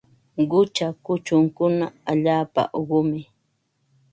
Qucha kuchunkuna allaapa uqumi.